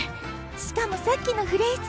しかもさっきのフレーズ。